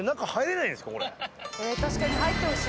これ確かに入ってほしい。